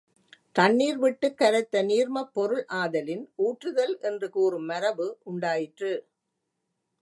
தண்ணீர் விட்டுக் கரைத்த நீர்மப் பொருள் ஆதலின், ஊற்றுதல் என்று கூறும் மரபு உண்டாயிற்று.